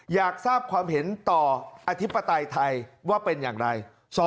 อยากทราบความเห็นต่ออธิปไตยไทยว่าเป็นอย่างไร